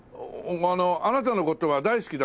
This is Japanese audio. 「あなたの事が大好きだ」